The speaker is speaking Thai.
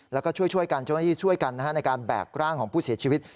แล้วก็ช่วยกันเจ้าหน้าที่ช่วยกันในการแบกร่างของผู้เสียชีวิต